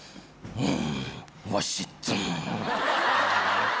うん。